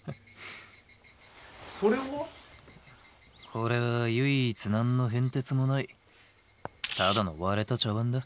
これは唯一何の変哲もないただの割れた茶わんだ。